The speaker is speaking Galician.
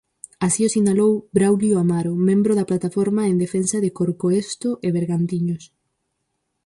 Así o sinalou Bráulio Amaro, membro da Plataforma en defensa de Corcoesto e Bergantiños.